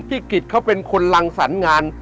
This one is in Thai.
พี่กิศเขาเป็นคนลังสรรงาน